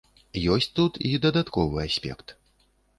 Ёсць тут і дадатковы аспект.